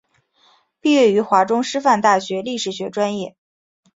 毕业于华中师范大学历史学专业。